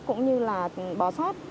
cũng như là bỏ sát